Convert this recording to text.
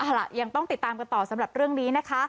เอาล่ะยังต้องติดตามกันต่อสำหรับเรื่องนี้นะคะ